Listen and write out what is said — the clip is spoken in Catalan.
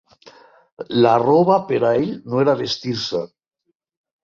La roba, pera ell, no era vestir-se